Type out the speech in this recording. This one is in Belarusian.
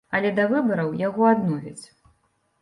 Але да выбараў яго адновяць.